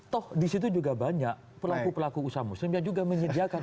toh di situ juga banyak pelaku pelaku usaha muslim yang juga menyediakan